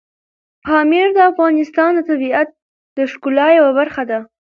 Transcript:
پامیر د افغانستان د طبیعت د ښکلا یوه برخه ده.